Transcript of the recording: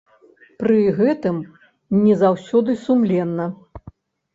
Пры гэтым, не заўсёды сумленна.